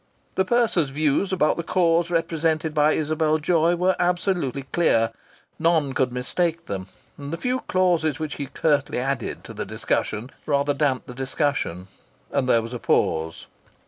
The purser's views about the cause represented by Isabel Joy were absolutely clear. None could mistake them, and the few clauses which he curtly added to the discussion rather damped the discussion, and there was a pause.